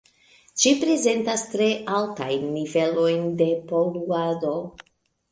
Ĝi prezentas tre altajn nivelojn de poluado.